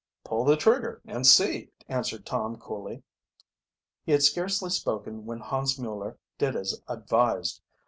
"Pull the trigger and see," answered Tom coolly. He had scarcely spoken when Hans Mueller did as advised.